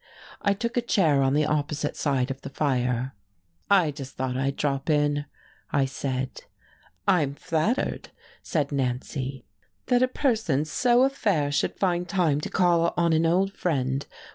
I took a chair on the opposite side of the fire. "I just thought I'd drop in," I said. "I am flattered," said Nancy, "that a person so affaire should find time to call on an old friend.